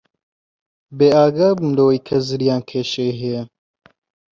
بێئاگا بووم لەوەی کە زریان کێشەی هەیە.